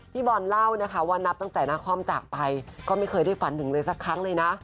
พี่บอลเล่านะคะว่านับตั้งแต่นาคอมจากไปก็ไม่เคยได้ฝันถึงเลยสักครั้งเลยนะ